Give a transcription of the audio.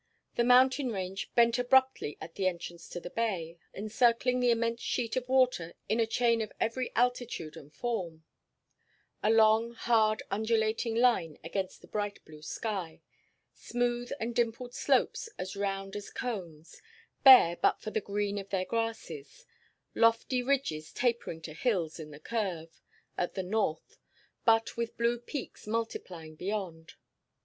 The mountain range bent abruptly at the entrance to the bay, encircling the immense sheet of water in a chain of every altitude and form: a long hard undulating line against the bright blue sky; smooth and dimpled slopes as round as cones, bare but for the green of their grasses; lofty ridges tapering to hills in the curve at the north but with blue peaks multiplying beyond.